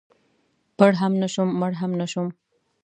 پړ هم زه شوم مړ هم زه شوم.